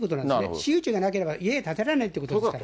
私有地がなければ家は建てられないってことですから。